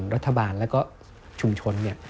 รัฐบาลแล้วก็ชุมชน